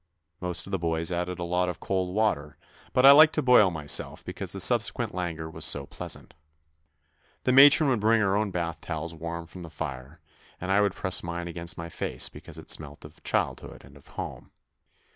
Most of the boys added a lot of cold water, but I liked to boil myself because the subsequent languor was so pleasant. THE NEW BOY 73 The matron would bring our own bath towels warm from the fire, and I would press mine against my face because it smelt of childhood and of home.